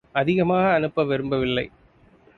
அதிகமாக அனுப்ப விரும்பவில்லை.